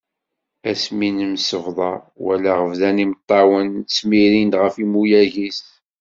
Ass mi nemsebḍa walaɣ bdan imeṭṭawen ttmirin-d ɣef imuyag-is.